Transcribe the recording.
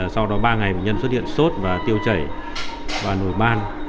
sau đó ba ngày bệnh nhân xuất hiện sốt và tiêu chảy và nổi ban